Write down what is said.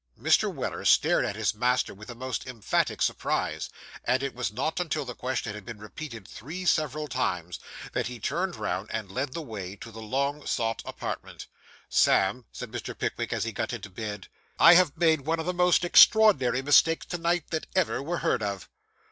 Mr. Weller stared at his master with the most emphatic surprise; and it was not until the question had been repeated three several times, that he turned round, and led the way to the long sought apartment. 'Sam,' said Mr. Pickwick, as he got into bed, 'I have made one of the most extraordinary mistakes to night, that ever were heard of.